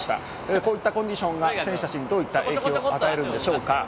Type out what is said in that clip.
こういったコンディションが選手たちにどういった影響を与えるんでしょうか。